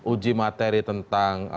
uji materi tentang